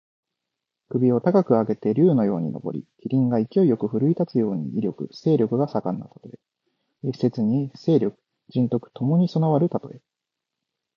首を高く上げて竜のように上り、麒麟が勢いよく振るい立つように、威力や勢力が盛んなたとえ。一説に勢力・仁徳ともに備わるたとえ。